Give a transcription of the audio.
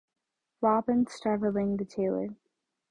Robin Starveling, the tailor.